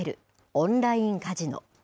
オンラインカジノ。